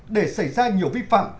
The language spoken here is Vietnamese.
để xảy ra nhiều vi phạm